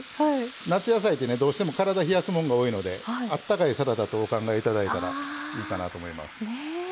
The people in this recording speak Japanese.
夏野菜ってねどうしても体冷やすもんが多いのであったかいサラダとお考えいただいたらいいかなと思います。